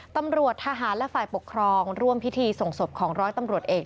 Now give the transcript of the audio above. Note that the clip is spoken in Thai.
ตำรวจทหารและฝ่ายปกครองร่วมพิธีส่งศพของร้อยตำรวจเอก